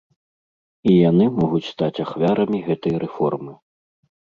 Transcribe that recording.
І яны могуць стаць ахвярамі гэтай рэформы.